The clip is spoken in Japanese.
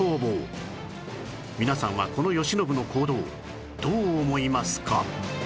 皆さんはこの慶喜の行動どう思いますか？